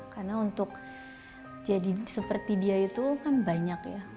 karena untuk jadi seperti dia itu kan banyak ya